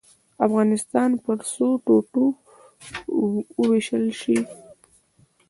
افغانستان پر څو ټوټو ووېشل شي.